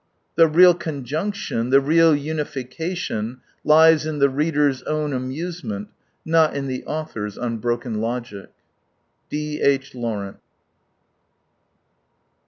The real conjunction, the real unification lies in the reader's Own amusement, not in the author*s unbroken logic, D. H. Lawrence.